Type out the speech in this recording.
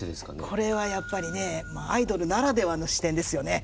これはやっぱりねアイドルならではの視点ですよね。